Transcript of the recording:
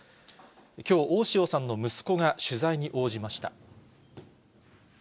きょう、大塩さんの息子が取材に応じました。